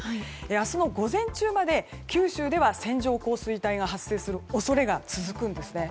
明日の午前中まで九州では線状降水帯が発生する恐れが続くんですね。